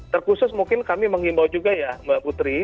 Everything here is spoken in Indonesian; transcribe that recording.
terkhusus mungkin kami mengimbau juga ya mbak putri